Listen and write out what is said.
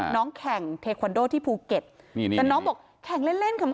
น้องแข่งเทคอนโดที่ภูเก็ตนี่แต่น้องบอกแข่งเล่นเล่นขำ